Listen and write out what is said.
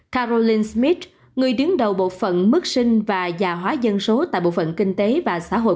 carolin smith người đứng đầu bộ phận mức sinh và gia hóa dân số tại bộ phận kinh tế và xã hội